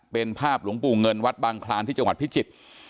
เป็นภาพหลวงปู่เงินวัดบางคลานที่จังหวัดพิจิตร